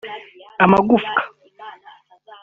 amagufwa